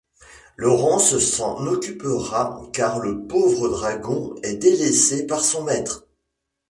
Laurence s'en occupera car le pauvre dragon est délaissé par son maître.